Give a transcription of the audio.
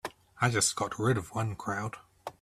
I just got rid of one crowd.